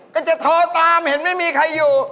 ก็จะโทรตามเห็นไม่มีใครอยู่